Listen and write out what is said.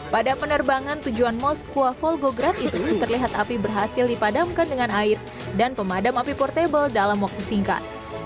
pada penerbangan tujuan moskwa volgograde itu terlihat api berhasil dipadamkan dengan air dan pemadam api portable dalam waktu singkat